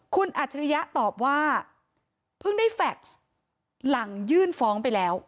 คุณอัจฉริยะตอบว่าเพิ่งได้แฟคหลังยื่นฟ้องไปแล้ว